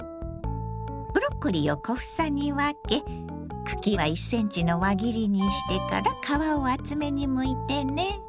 ブロッコリーを小房に分け茎は１ｃｍの輪切りにしてから皮を厚めにむいてね。